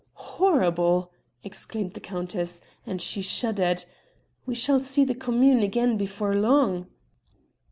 "Horrible!" exclaimed the countess, and she shuddered, "we shall see the Commune again before long."